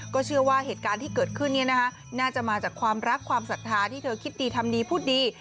ก็เชื่อว่าเหตุการณ์ที่เกิดขึ้นน่าจะมาจากความรักความศรัทธาที่เธอคิดดีทำดีพูดดี